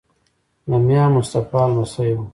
د میا مصطفی لمسی وو.